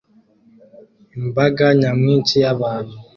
imbaga nyamwinshi y'abantu